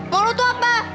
mau lo tuh apa